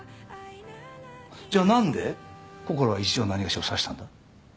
じゃあなんでこころは一条なにがしを刺したんだ？